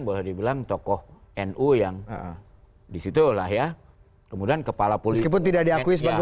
boleh dibilang tokoh nu yang disitu lah ya kemudian kepala pulih pun tidak diakui sebagian